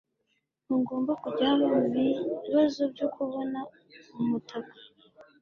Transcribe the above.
ntugomba kujya mubibazo byo kubona umutaka